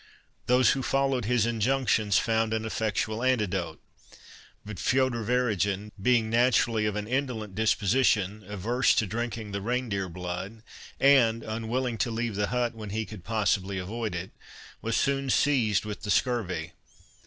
Those who followed his injunctions found an effectual antidote, but Feoder Weregin, being naturally of an indolent disposition, averse to drinking the rein deer blood, and, unwilling to leave the hut when he could possibly avoid it, was soon seized with the scurvy.